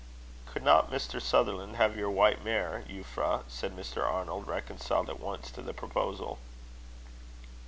"Could not Mr. Sutherland have your white mare, Euphra?" said Mr. Arnold, reconciled at once to the proposal.